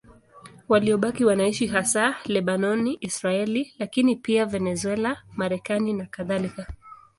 Waliobaki wanaishi hasa Lebanoni, Israeli, lakini pia Venezuela, Marekani nakadhalika.